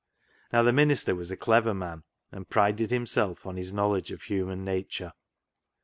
Now, the minister was a clever man, and prided himself on his knowledge of human nature.